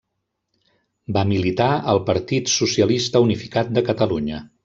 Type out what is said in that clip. Va militar al Partit Socialista Unificat de Catalunya.